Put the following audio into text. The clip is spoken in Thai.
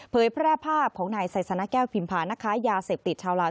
แพร่ภาพของนายไซสนะแก้วพิมพานักค้ายาเสพติดชาวลาว